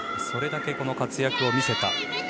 それだけ活躍を見せたと。